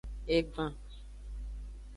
Egban.